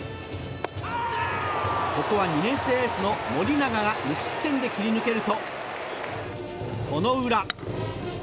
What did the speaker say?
ここは２年生エースの盛永が無失点で切り抜けるとその裏。